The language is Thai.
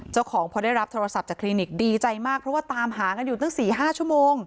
พอได้รับโทรศัพท์จากคลินิกดีใจมากเพราะว่าตามหากันอยู่ตั้ง๔๕ชั่วโมง